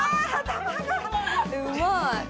◆うまい！